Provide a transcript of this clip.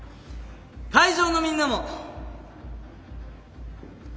会場のみんなも。